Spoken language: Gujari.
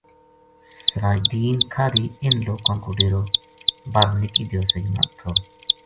سراج دین کھاہری اِنھ لوکاں کو ڈیرو بَر نِکی دیواسئی ما تھو